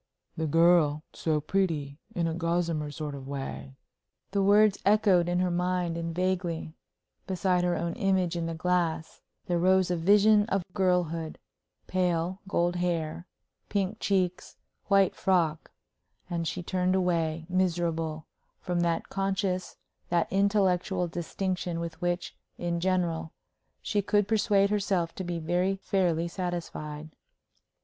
"The girl so pretty, in a gossamer sort of way," The words echoed in her mind, and vaguely, beside her own image in the glass, there rose a vision of girlhood pale, gold hair, pink cheeks, white frock and she turned away, miserable, from that conscious, that intellectual distinction with which, in general, she could persuade herself to be very fairly satisfied.